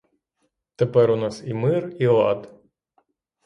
Тепер у нас і мир, і лад.